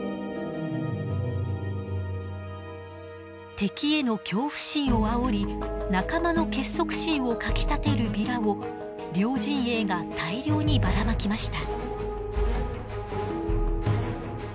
敵への恐怖心をあおり仲間の結束心をかきたてるビラを両陣営が大量にばらまきました。